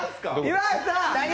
岩橋さん！